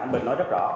anh bình nói rất rõ